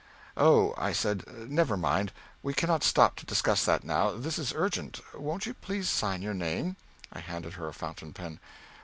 "Oh," I said, "never mind. We cannot stop to discuss that now. This is urgent. Won't you please sign your name?" (I handed her a fountain pen.)